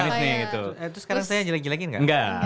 terus sekarang saya jelek jelekin gak